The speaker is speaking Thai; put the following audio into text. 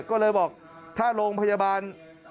ก็เลยบอกถ้าโรงพยาบาล